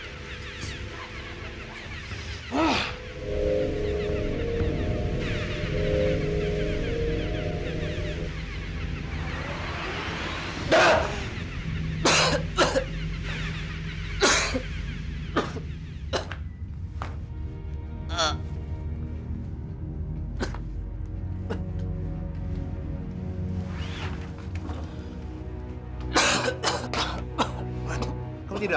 kamu tidak apa apa